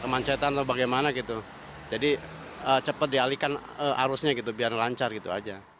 kemacetan atau bagaimana gitu jadi cepat dialihkan arusnya gitu biar lancar gitu aja